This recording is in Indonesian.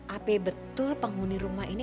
ap betul penghuni rumah ini